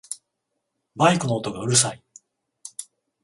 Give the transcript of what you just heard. バイクの音がうるさい